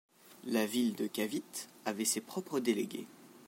La ville de Cavite avait ses propres délégués.